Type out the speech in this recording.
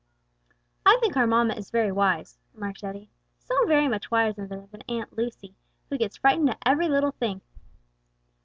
'" "I think our mamma is very wise," remarked Eddie; "so very much wiser than Aunt Lucy, who gets frightened at every little thing."